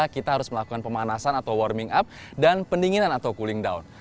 kita harus melakukan pemanasan atau warming up dan pendinginan atau cooling down